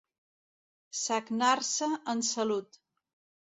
Sagnar-se en salut.